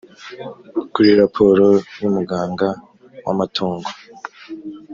kuri raporo y ‘umuganga w ‘amatungo.